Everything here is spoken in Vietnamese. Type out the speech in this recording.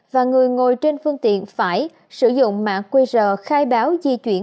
và người ngồi trên phương tiện phải sử dụng mã qr khai báo di chuyển